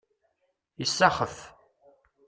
Isaxef.